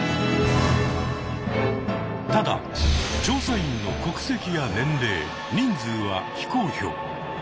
ただ調査員の国籍や年齢人数は非公表。